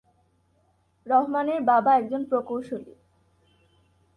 রহমানের বাবা একজন প্রকৌশলী।